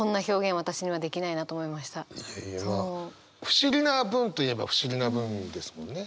不思議な文といえば不思議な文ですもんね。